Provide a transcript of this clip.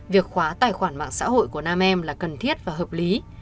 việc khóa tài khoản mạng xã hội của nam em là cần thiết và hợp lý